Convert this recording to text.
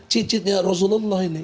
cicitnya rasulullah ini